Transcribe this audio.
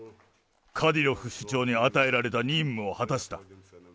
カディロフ首長に与えられた任務を果たした。